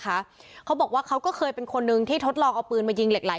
เขาบอกว่าเขาก็เคยเป็นคนนึงที่ทดลองเอาปืนมายิงเหล็กไห